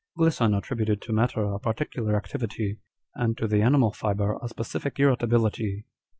Glisson attributed to matter a particular activity, and to the animal fibre a specific irritability.